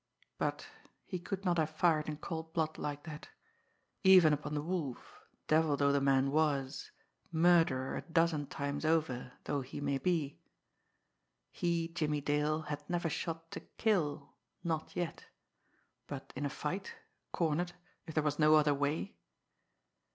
But he could not have fired in cold blood like that even upon the Wolf, devil though the man was, murderer a dozen times over though he the man to be! He, Jimmie Dale, had never shot to kill not yet but in a fight, cornered, if there was no other way...!